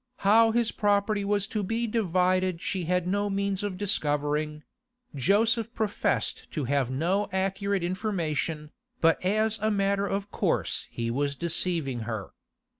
How his property was to be divided she had no means of discovering; Joseph professed to have no accurate information, but as a matter of course he was deceiving her.